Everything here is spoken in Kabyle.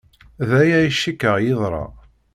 D aya ay cikkeɣ yeḍra.